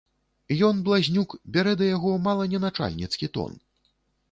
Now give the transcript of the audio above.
Ён, блазнюк, бярэ да яго мала не начальніцкі тон.